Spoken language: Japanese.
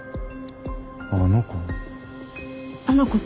あの子。